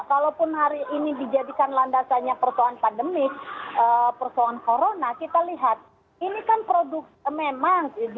kalaupun hari ini dijadikan landasannya persoalan pandemik persoalan corona kita lihat ini kan produk memang